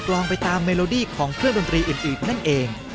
จะติดตามกับคนที่เล่นชิ้นอื่น